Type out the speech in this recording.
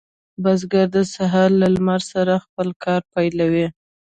بزګر د سهار له لمر سره خپل کار پیلوي.